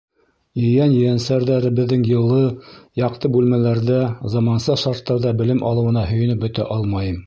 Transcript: Ейән-ейәнсәрҙәребеҙҙең йылы, яҡты бүлмәләрҙә, заманса шарттарҙа белем алыуына һөйөнөп бөтә алмайым.